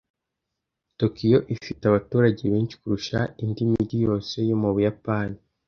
Tokiyo ifite abaturage benshi kurusha indi mijyi yose yo mu Buyapani.